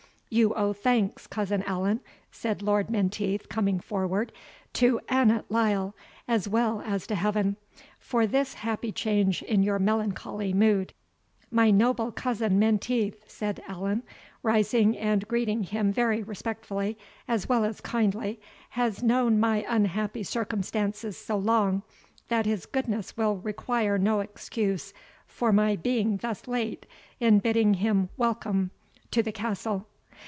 "You owe thanks, cousin Allan," said Lord Menteith, coming forward, "to Annot Lyle, as well as to heaven, for this happy change in your melancholy mood." "My noble cousin Menteith," said Allan, rising and greeting him very respectfully, as well as kindly, "has known my unhappy circumstances so long, that his goodness will require no excuse for my being thus late in bidding him welcome to the castle."